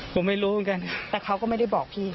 แต่เขาก็ไม่ได้บอกพี่